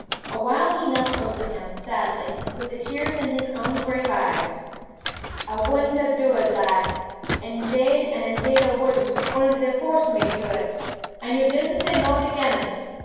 Awhile he knelt over him sadly, with the tears in his own brave eyes: "I wudn't have doed it, lad; indade and indade I wudn't, ony they forced me to it; and you didn't say nought agin them.